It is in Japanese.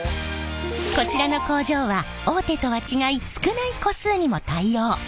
こちらの工場は大手とは違い少ない個数にも対応！